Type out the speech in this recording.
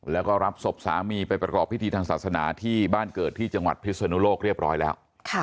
แล้วก็รับศพสามีไปประกอบพิธีทางศาสนาที่บ้านเกิดที่จังหวัดพิศนุโลกเรียบร้อยแล้ว